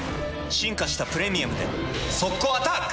進化した「プレミアム」で速攻アタック！